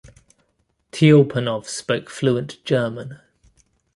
Tiulpanov spoke fluent German.